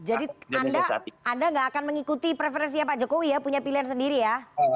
anda nggak akan mengikuti preferensinya pak jokowi ya punya pilihan sendiri ya